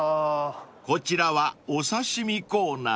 ［こちらはお刺身コーナー］